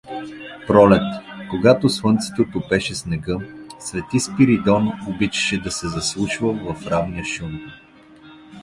Пролет, когато слънцето топеше снега, св. Спиридон обичаше да се заслушва в равния шум.